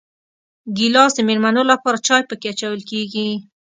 ګیلاس د مېلمنو لپاره چای پکې اچول کېږي.